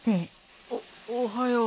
おおはよう。